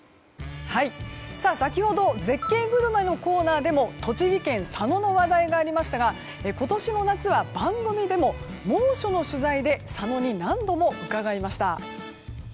先ほど絶景グルメのコーナーでも栃木県佐野の話題がありましたが今年の夏は番組でも猛暑の取材で佐野に何度も伺いました。